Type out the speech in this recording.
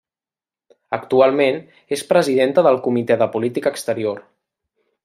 Actualment és presidenta del Comitè de Política Exterior.